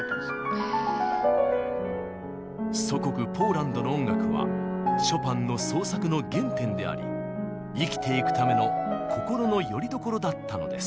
祖国ポーランドの音楽はショパンの創作の原点であり生きていくための心のよりどころだったのです。